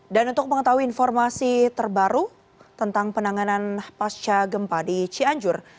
dan untuk mengetahui informasi terbaru tentang penanganan pasca gempa di cianjur